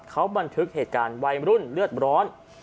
เขาบันทึกเหตุการณ์วัยรุ่นเลือดร้อน